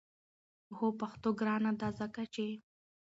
هو پښتو ګرانه ده! ځکه چې